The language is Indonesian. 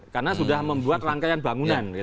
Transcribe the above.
karena sudah membuat rangkaian bangunan